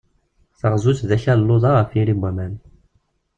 Taɣzut d akal n luḍa ɣef yiri n waman.